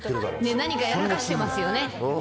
何かやらかしてますよね。